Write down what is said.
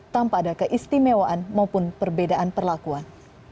tanpa ada keistimewaan maupun perbedaan perlakuan